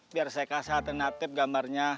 biar saya kasih alternatif gambarnya